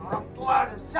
orang tua aja siapa